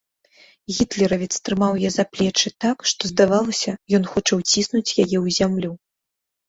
Гітлеравец трымаў яе за плечы так, што здавалася, ён хоча ўціснуць яе ў зямлю.